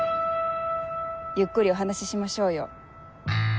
ゆっくりお話ししましょうよ。